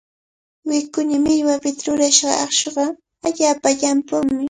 Wikuña millwapita rurashqa aqshuqa allaapa llampumi.